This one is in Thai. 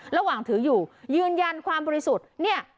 ระหว่างถืออยู่ยืนยันความบริสุทธิ์เนี่ย